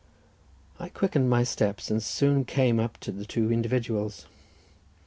I quickened my steps, and soon came up to the two individuals.